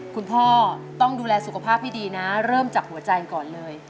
คุณพ่อต้องดูแลสุขภาพให้ดีนะเริ่มจากหัวใจก่อนเลย